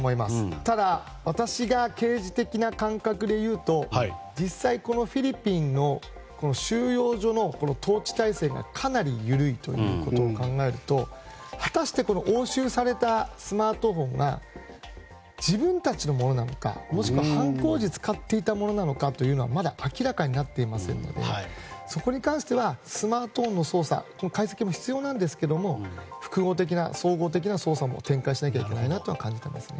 ただ、私が刑事的な感覚で言うと実際、フィリピンの収容所の統治体制がかなり緩いということを考えると果たして押収されたスマートフォンが自分たちのものなのかもしくは犯行時、使っていたものなのかはまだ明らかになっていませんのでそこに関してはスマートフォンの捜査、解析も必要なんですけど複合的な捜査も展開しなきゃいけないなとは感じていますね。